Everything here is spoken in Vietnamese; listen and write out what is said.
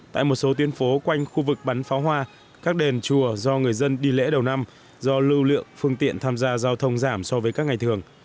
tại một số tuyến phố quanh khu vực bắn pháo hoa các đền chùa do người dân đi lễ đầu năm do lưu lượng phương tiện tham gia giao thông giảm so với các ngày thường